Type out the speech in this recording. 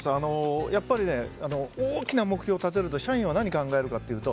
やっぱり大きな目標を立てると社員は何を考えるかというと